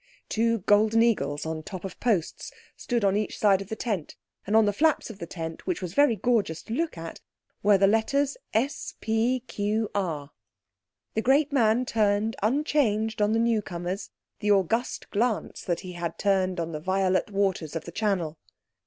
Two golden eagles on the top of posts stood on each side of the tent, and on the flaps of the tent which was very gorgeous to look at were the letters S.P.Q.R. The great man turned unchanged on the newcomers the august glance that he had turned on the violet waters of the Channel.